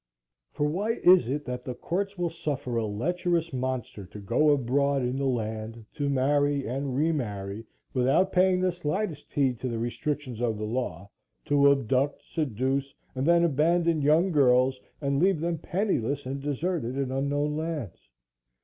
For why is it, that the courts will suffer a lecherous monster to go abroad in the land, to marry and re marry without paying the slightest heed to the restrictions of the law; to abduct, seduce and then abandon young girls and leave them penniless and deserted in unknown lands?